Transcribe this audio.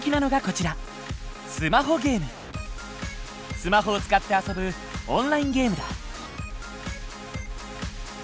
スマホを使って遊ぶオンラインゲームだ。